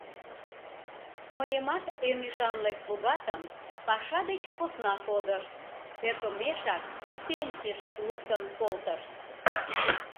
Мыйымат, эн ӱшанле слугатым, паша деч посна кодышт, ӧкымешак пенсийыш луктын колтышт.